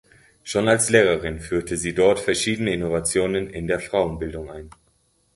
Schon als Lehrerin führte sie dort verschiedene Innovationen in der Frauenbildung ein.